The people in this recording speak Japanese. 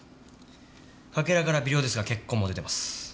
欠片から微量ですが血痕も出てます。